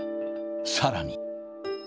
さらに。